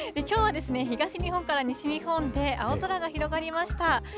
きょうは、東日本から西日本で青空が広がりました。